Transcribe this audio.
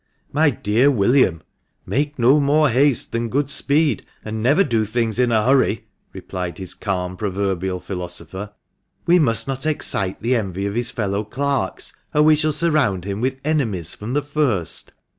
" My dear William, make no more haste than good speed, and never do things in a hurry," replied his calm proverbial philosopher. "We must not excite the envy of his fellow clerks, or we shall surround him with enemies from the first.